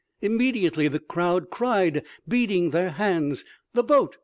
Immediately the crowd cried, beating their hands: "'The boat!